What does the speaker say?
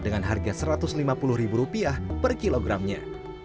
dengan harga satu ratus lima puluh ribu rupiah per kilogramnya